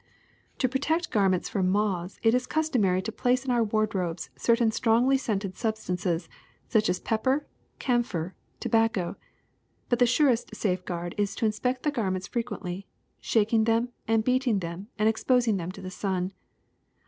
'' To protect garments from moths it is customary to place in our wardrobes certain strongly scented substances such as pepper, camphor, tobacco. But the surest safeguard is to inspect the garments fre quently, shaking them and beating them and expos ing them to the sun.